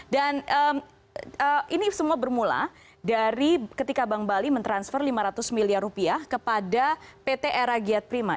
dan ini semua bermula dari ketika bang bali mentransfer lima ratus miliar rupiah kepada pt eragiat prima